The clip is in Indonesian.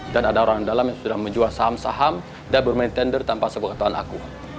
dan ada orang dalam yang sudah menjual saham saham dan bermain tender tanpa sebuah ketahuan aku